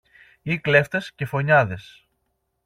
ή κλέφτες και φονιάδες.